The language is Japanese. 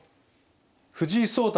藤井聡太